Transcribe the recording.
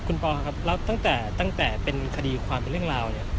คุณปอครับแล้วตั้งแต่เป็นคดีความเป็นเรื่องราวเนี่ย